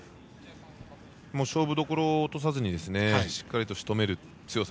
勝負どころを落とさずにしっかりしとめる強さ。